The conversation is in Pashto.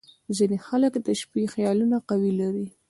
• ځینې خلک د شپې خیالونه قوي لري.